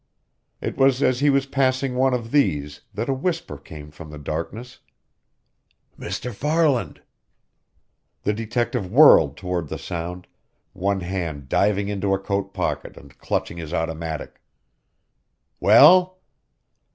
It was as he was passing one of these that a whisper came from the darkness: "Mr. Farland!" The detective whirled toward the sound, one hand diving into a coat pocket and clutching his automatic. "Well?"